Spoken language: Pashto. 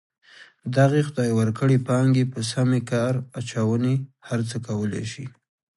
دغې خدای ورکړې پانګې په سمې کار اچونې هر څه کولی شي.